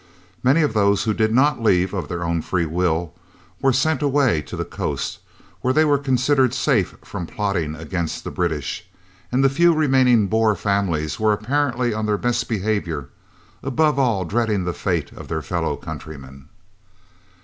Many of those who did not leave of their own free will were sent away to the coast, where they were considered safe from plotting against the British, and the few remaining Boer families were apparently on their best behaviour, above all dreading the fate of their fellow countrymen.